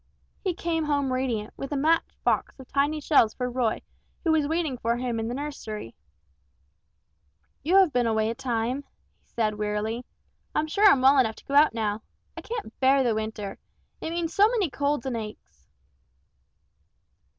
He came home radiant, with a match box full of tiny shells for Roy who was waiting for him in the nursery. "You have been away a time," he said, wearily: "I'm sure I'm well enough to go out now. I can't bear the winter. It means so many colds and aches."